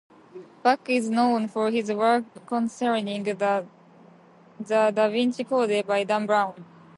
Bock is known for his work concerning "The Da Vinci Code" by Dan Brown.